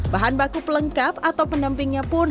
bahan baku pelengkap atau pendampingnya pun